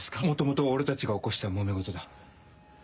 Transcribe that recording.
もともと俺たちが起こしたもめ事だ。